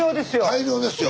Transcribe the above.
大漁ですよ。